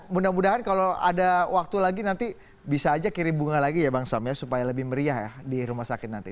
mudah mudahan kalau ada waktu lagi nanti bisa aja kirim bunga lagi ya bang sam ya supaya lebih meriah ya di rumah sakit nanti